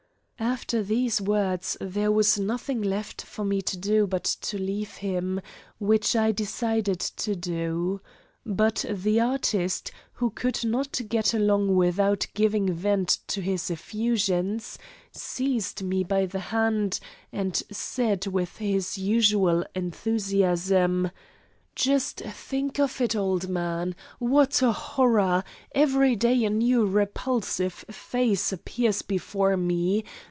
After these words there was nothing left for me to do but leave him, which I decided to do. But the artist, who could not get along without giving vent to his effusions, seized me by the hand and said with his usual enthusiasm: "Just think of it, old man, what a horror! Every day a new repulsive face appears before me.